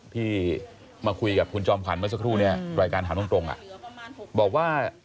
ที่มาคุยกับคุณจอมขวัญเมื่อสักครู่เนี่ยรายการถามตรงบอกว่า